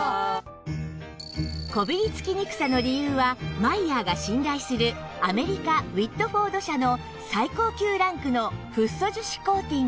こびりつきにくさの理由はマイヤーが信頼するアメリカウィットフォード社の最高級ランクのフッ素樹脂コーティング